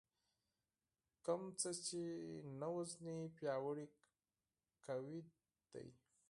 کوم څه دې چې نه وژنې پياوړي کوي دی .